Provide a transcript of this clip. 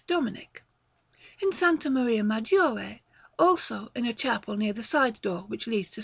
Dominic. In S. Maria Maggiore, also, in a chapel near the side door which leads to S.